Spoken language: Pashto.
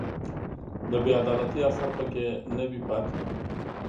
د بې عدالتۍ اثر په کې نه وي پاتې